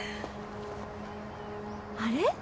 あれ？